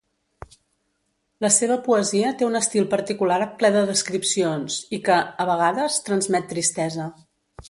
La seva poesia té un estil particular ple de descripcions i que, a vegades, transmet tristesa.